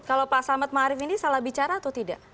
kalau pak samet ma'arif ini salah bicara atau tidak